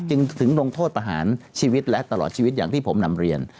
จึงถึงลงโทษประหารชีวิตและตลอดชีวิตอย่างที่ผมนำเรียน